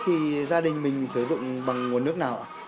thì gia đình mình sử dụng bằng nguồn nước nào ạ